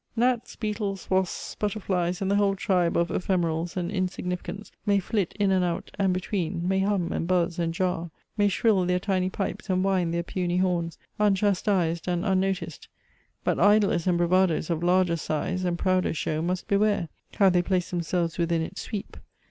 Gnats, beetles, wasps, butterflies, and the whole tribe of ephemerals and insignificants, may flit in and out and between; may hum, and buzz, and jar; may shrill their tiny pipes, and wind their puny horns, unchastised and unnoticed. But idlers and bravadoes of larger size and prouder show must beware, how they place themselves within its sweep.